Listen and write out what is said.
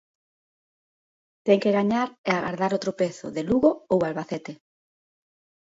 Ten que gañar e agardar o tropezo de Lugo ou Albacete.